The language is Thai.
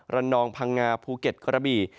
นองพังงาภูเก็ตกระบี่